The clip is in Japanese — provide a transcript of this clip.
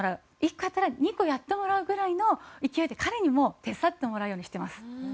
１個やったら２個やってもらうぐらいの勢いで彼にも手伝ってもらうようにしてます。